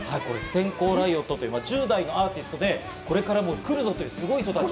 閃光ライオットという１０代のアーティストでこれから来るぞというすごい人たちが。